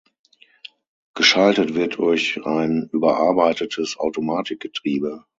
Geschaltet wird durch ein überarbeitetes Automatikgetriebe.